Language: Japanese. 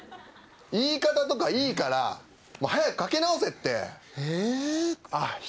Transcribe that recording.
言い方とかいいから早くかけ直せってええっ？